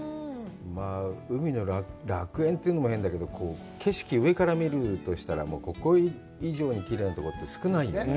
海の楽園と言うのも変だけど、景色、上から見るとしたら、ここ以上にきれいなところって、少ないね。